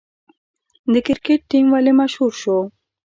د کرکټ ټیم ولې مشهور شو؟